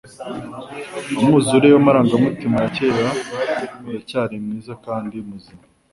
Umwuzure w'amarangamutima ya kera uracyari mwiza kandi muzima